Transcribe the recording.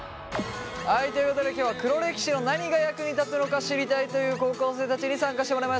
はいということで今日は黒歴史の何が役に立つのか知りたいという高校生たちに参加してもらいました。